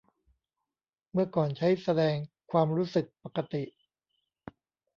เมื่อก่อนใช้แสดงความรู้สึกปกติ